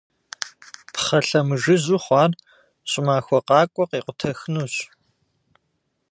Пхъэ лъэмыжыжьу хъуар, щӏымахуэ къакӏуэ къекъутэхынущ.